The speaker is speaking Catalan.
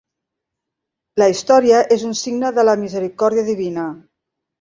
La història és un signe de la misericòrdia divina.